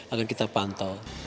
akan kita pantau